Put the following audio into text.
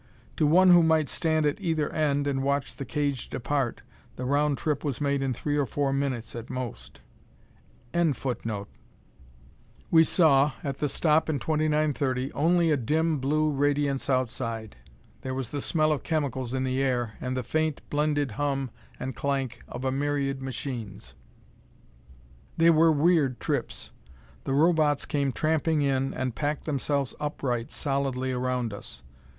To one who might stand at either end and watch the cage depart, the round trip was made in three or four minutes at most.] We saw, at the stop in 2930, only a dim blue radiance outside. There was the smell of chemicals in the air, and the faint, blended hum and clank of a myriad machines. They were weird trips. The Robots came tramping in, and packed themselves upright, solidly, around us.